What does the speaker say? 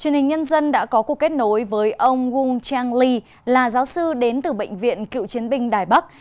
chuyên hình nhân dân đã có cuộc kết nối với ông wung chang lee là giáo sư đến từ bệnh viện cựu chiến binh đài bắc